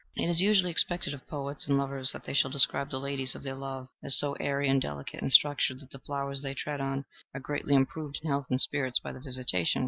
It is usually expected of poets and lovers that they shall describe the ladies of their love as so airy and delicate in structure that the flowers they tread on are greatly improved in health and spirits by the visitation.